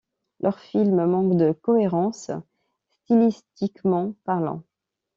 Leurs films manquent de cohérence, stylistiquement parlant.